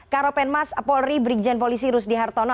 karopenmas polri brigjen polisi rusdi hartono